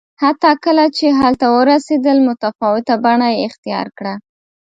حتی کله چې هلته ورسېدل متفاوته بڼه یې اختیار کړه